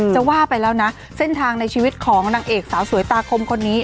จะว่าไปแล้วนะเส้นทางในชีวิตของนางเอกสาวสวยตาคมคนนี้